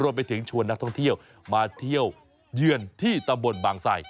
ไปชวนนักท่องเที่ยวมาเที่ยวเยือนที่ตำบลบางใส่